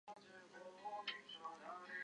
转化兴趣为专业